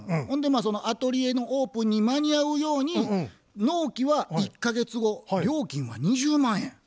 ほんでそのアトリエのオープンに間に合うように納期は１か月後料金は２０万円。